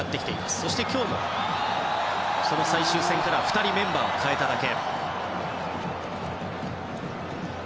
そして、今日も最終戦からは２人メンバーを代えただけ。